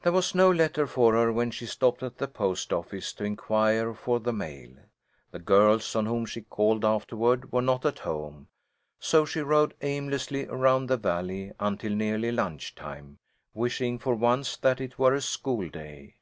There was no letter for her when she stopped at the post office to inquire for the mail. The girls on whom she called afterward were not at home, so she rode aimlessly around the Valley until nearly lunch time, wishing for once that it were a school day.